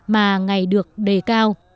mà ngày được đề cao